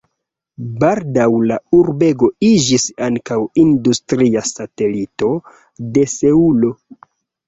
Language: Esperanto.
Baldaŭ la urbego iĝis ankaŭ industria satelito de Seulo.